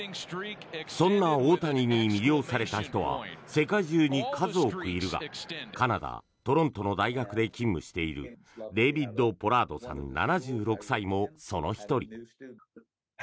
そんな大谷に魅了された人は世界中に数多くいるがカナダ・トロントの大学で勤務しているデービッド・ポラードさん７６歳もその１人。